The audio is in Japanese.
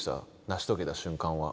成し遂げた瞬間は。